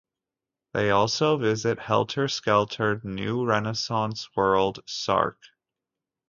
They also visit helter-skelter New Renaissance world Sark.